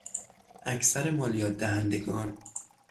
اکثر مالیاتدهندگان